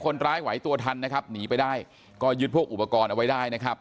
คนร้ายไหวตัวทันนะครับหนีไปได้ก็ยึดพวกอุปกรณ์เอาไว้ได้นะครับ